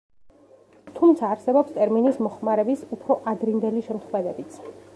თუმცა არსებობს ტერმინის მოხმარების უფრო ადრინდელი შემთხვევებიც.